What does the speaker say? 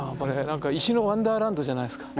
何か石のワンダーランドじゃないですか。